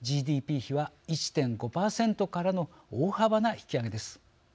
ＧＤＰ比は１．５％からの大幅な引き上げです。